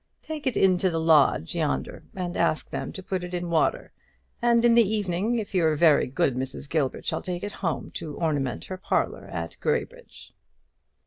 Take it into the lodge yonder, and ask them to put it in water; and in the evening, if you're very good, Mrs. Gilbert shall take it home to ornament her parlour at Graybridge."